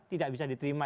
tidak bisa diterima